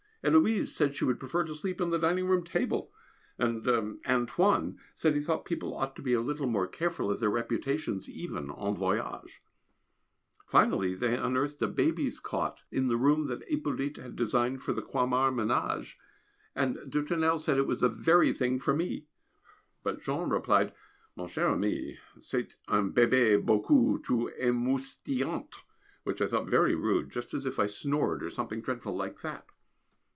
Héloise said she would prefer to sleep on the dining room table, and "Antoine" said he thought people ought to be a little more careful of their reputations even en voyage. Finally they unearthed a baby's cot in the room that Hippolyte had designed for the Croixmare menage, and de Tournelle said it was the very thing for me, but Jean replied, "Mon cher ami c'est une Bébé beaucoup trop emoustillante," which I thought very rude, just as if I snored, or something dreadful like that.